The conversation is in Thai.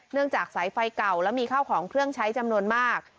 จากสายไฟเก่าและมีข้าวของเครื่องใช้จำนวนมาก